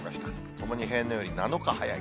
ともに平年よりも７日早い。